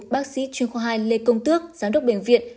bác sĩ chuyên khoa hai lê công tước giám đốc bệnh viện